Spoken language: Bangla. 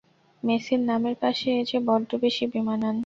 মেসির নামের পাশে এ যে বড্ড বেশি বেমানান।